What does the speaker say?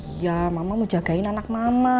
iya mama mau jagain anak mama